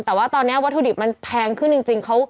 แต่ว่าตอนนี้วัตถุดิบมันแพงขึ้นจริง